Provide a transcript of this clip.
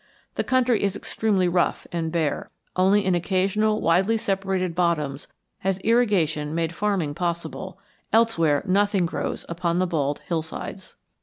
The country is extremely rough and bare. Only in occasional widely separated bottoms has irrigation made farming possible; elsewhere nothing grows upon the bald hillsides.